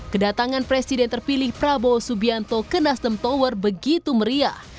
kedatangan presiden terpilih prabowo subianto ke nasdem tower begitu meriah